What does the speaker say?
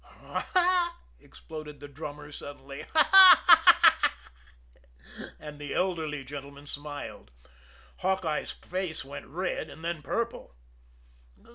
"Haw!" exploded the drummer suddenly. "Haw haw, haw!" And the elderly gentleman smiled. Hawkeye's face went red, and then purple.